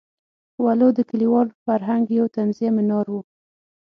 ولو د کلیوال فرهنګ یو طنزیه منار وو.